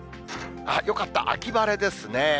よかった、秋晴れですね。